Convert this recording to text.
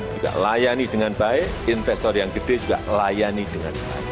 juga layani dengan baik investor yang gede juga layani dengan baik